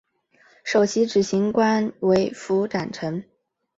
首席执行官为符展成。